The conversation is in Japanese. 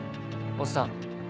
おっさん。